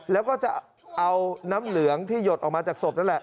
แล้วก็จะเอาน้ำเหลืองที่หยดออกมาจากศพนั่นแหละ